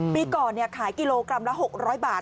ปีก่อนขายกิโลกรัมละ๖๐๐บาท